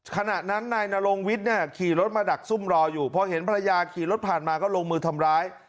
ขณะนั้นนายนรงวิทย์เนี่ยขี่รถมาดักซุ่มรออยู่พอเห็นภรรยาขี่รถผ่านมาก็ลงมือทำร้าย